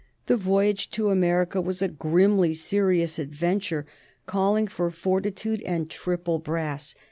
The voyage to America was a grimly serious adventure, calling for fortitude and triple brass.